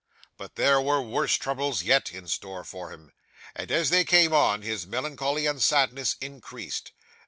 But there were worse troubles yet in store for him, and as they came on, his melancholy and sadness increased.